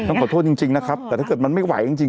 ขอโทษจริงนะครับแต่ถ้าเกิดมันไม่ไหวจริง